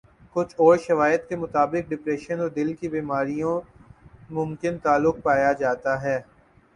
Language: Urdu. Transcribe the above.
کچھ اورشواہد کے مطابق ڈپریشن اور دل کی بیماریوں ممکن تعلق پایا جاتا ہے